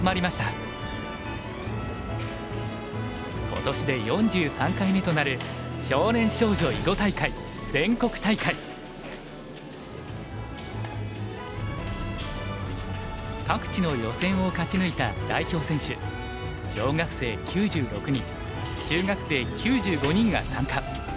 今年で４３回目となる各地の予選を勝ち抜いた代表選手小学生９６人中学生９５人が参加。